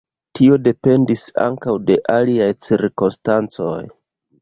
Tio dependis ankaŭ de aliaj cirkonstancoj.